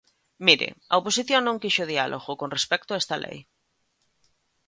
Mire, a oposición non quixo diálogo con respecto a esta lei.